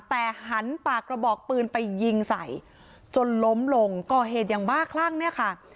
แต่หันปากกระบอกปืนไปยิงใส่จนล้มลงก่อเหตุอย่างบ้าคลั่งเนี่ยค่ะ